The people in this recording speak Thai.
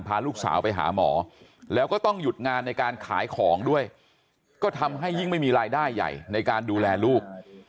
พาลูกสาวไปหาหมอแล้วก็ต้องหยุดงานในการขายของด้วยก็ทำให้ยิ่งไม่มีรายได้ใหญ่ในการดูแลลูก